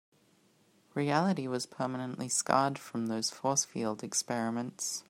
Reality was permanently scarred from those force field experiments.